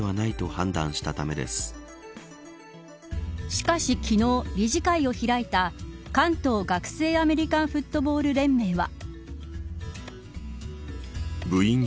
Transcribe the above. しかし昨日、理事会を開いた関東学生アメリカンフットボール連盟は。